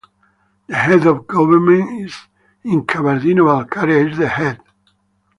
The head of government in Kabardino-Balkaria is the Head.